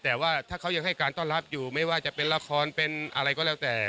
แต่ว่าถ้าเขายังให้การต้อนรับอยู่ไม่ว่าจะเป็นละครเป็นอะไรก็แล้วแต่